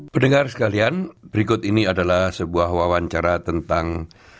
pendengar sekalian berikut ini adalah sebuah wawancara tentang